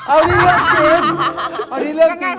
เอ้านี่เรื่องจริง